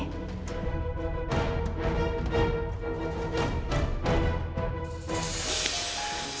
aku sudah lama menunggu ini bella